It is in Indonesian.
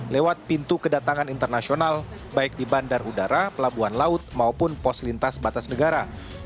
lewat pintu kedatangan internasional baik di bandar udara pelabuhan laut maupun pos lintas batas negara